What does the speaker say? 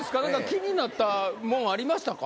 気になったもんありましたか？